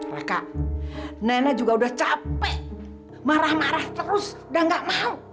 raka nenek juga udah capek marah marah terus udah gak mau